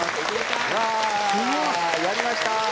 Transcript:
やりました。